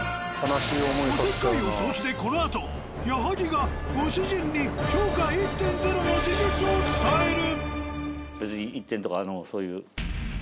おせっかいを承知でこのあと矢作がご主人に評価１．０の事実を伝える！